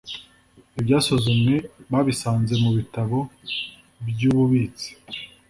ibyasuzumwe babisanze mu bitabo by ububitsi